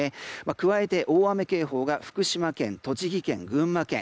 加えて、大雨警報が福島県、栃木県、群馬県